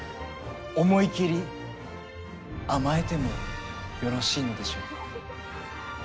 思い切り甘えてもよろしいのでしょうか。